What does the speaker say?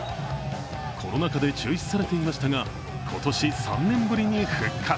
コロナ禍で中止されていましたが、今年、３年ぶりに復活。